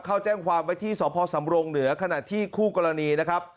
เข้าแจ้งความไว้ที่สพสำรงเหนือขณะที่คู่กรณีนะครับ